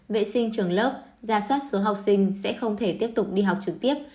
vệ sinh trường lớp ra soát số học sinh sẽ không thể tiếp tục đi học trực tiếp